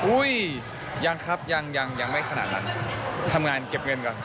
ยังครับยังยังไม่ขนาดนั้นทำงานเก็บเงินก่อน